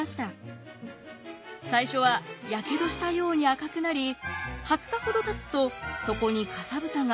最初は火傷したように赤くなり２０日ほどたつとそこにかさぶたが。